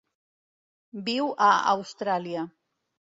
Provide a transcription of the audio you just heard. Viu a Austràlia.